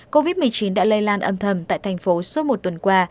covid một mươi chín đã lây lan âm thầm tại thành phố suốt một tuần qua